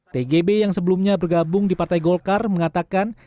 tgb yang sebelumnya bergabung di partai golkar mengatakan